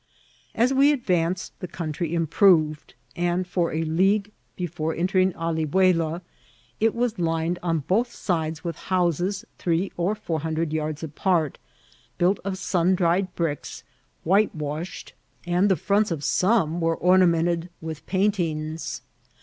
As we advanced the country improved, and for a league before entering Alihuela it was lined on both sides vnth houses three or four hundred yards apart, built of sundried bricks, whitewashed, and the fronts of 30 SM INCIDENTS OF TEATBL. some were ornamented with paintmgs.